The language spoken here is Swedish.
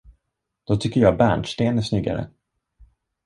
Då tycker jag bärnsten är snyggare.